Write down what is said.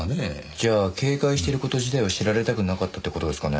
じゃあ警戒している事自体を知られたくなかったって事ですかね？